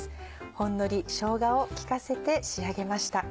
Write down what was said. ほんのりしょうがを利かせて仕上げました。